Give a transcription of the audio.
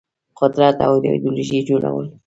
قدرت او ایدیالوژيو جوړول